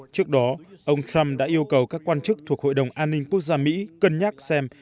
trước đó ông trump đã yêu cầu các quan chức thuộc hội đồng an ninh quốc gia mỹ cân nhắc xem